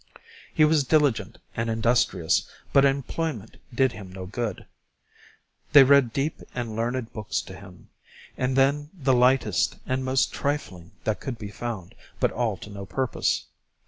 He was diligent and industrious, but employment did him no good. They read deep and learned books to him, and then the lightest and most trifling that could be found, but all to no purpose.